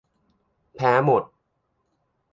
แพ้หมด